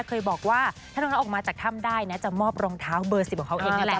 เคยบอกว่าถ้าน้องนัทออกมาจากถ้ำได้นะจะมอบรองเท้าเบอร์๑๐ของเขาเองนี่แหละ